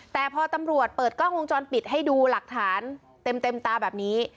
แต่พอตำรวจเปิดกล้องวงจรปิดให้ดูหลักฐานเต็มตาแบบนี้